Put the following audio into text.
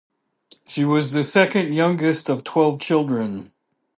She was the second youngest of twelve children.